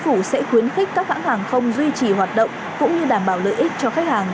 chính phủ sẽ khuyến khích các hãng hàng không duy trì hoạt động cũng như đảm bảo lợi ích cho khách hàng